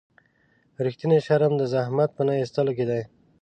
رښتینی شرم د زحمت په نه ایستلو کې دی.